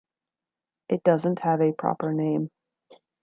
It doesn't have a proper name.